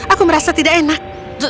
aku merasa tidak enak